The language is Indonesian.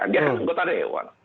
dia kan anggota dewan